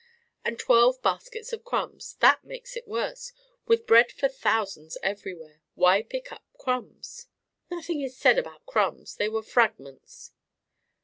"And twelve baskets of crumbs! That makes it worse! With bread for thousands everywhere, why pick up crumbs?" "Nothing is said about crumbs; they were fragments."